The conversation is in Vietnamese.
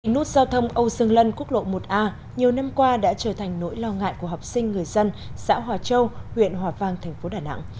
nút giao thông âu sương lân quốc lộ một a nhiều năm qua đã trở thành nỗi lo ngại của học sinh người dân xã hòa châu huyện hòa vang thành phố đà nẵng